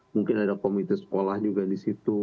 mungkin ada komite sekolah juga di situ